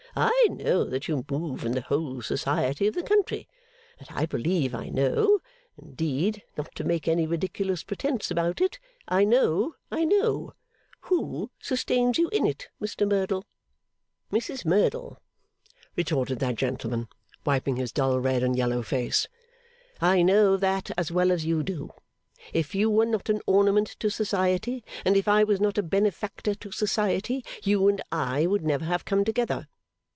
I know that you move in the whole Society of the country. And I believe I know (indeed, not to make any ridiculous pretence about it, I know I know) who sustains you in it, Mr Merdle.' 'Mrs Merdle,' retorted that gentleman, wiping his dull red and yellow face, 'I know that as well as you do. If you were not an ornament to Society, and if I was not a benefactor to Society, you and I would never have come together.